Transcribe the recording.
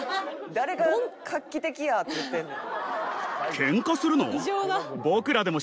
誰が画期的やって言ってんねん？